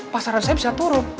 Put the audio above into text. pasaran saya bisa turun